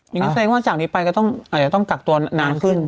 งั้นแสดงว่าจากนี้ไปก็ต้องอาจจะต้องกักตัวนานขึ้น